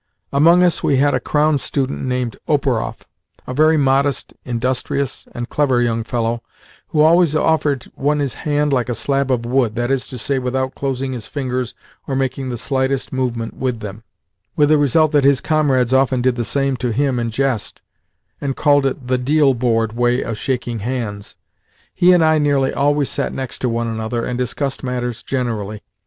Among us we had a Crown student named Operoff a very modest, industrious, and clever young fellow, who always offered one his hand like a slab of wood (that is to say, without closing his fingers or making the slightest movement with them); with the result that his comrades often did the same to him in jest, and called it the "deal board" way of shaking hands. He and I nearly always sat next to one another, and discussed matters generally.